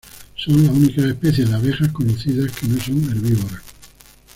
Son las únicas especies de abejas conocidas que no son herbívoras.